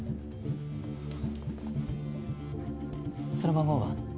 その番号は？